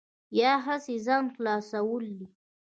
یا هسې ځان خلاصول دي.